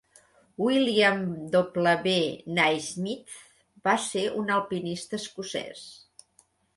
William W. Naismith va ser un alpinista escocès.